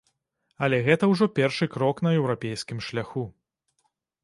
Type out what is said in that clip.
Але гэта ўжо першы крок на еўрапейскім шляху.